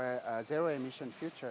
atau masa depan emisi zero